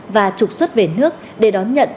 và trục xuất về nước để đón nhận